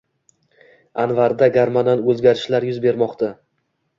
Anvarda gormonal o‘zgarishlar yuz bermoqda.